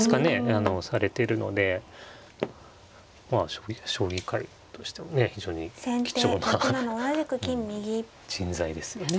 あのされてるので将棋界としてもね非常に貴重な人材ですよね。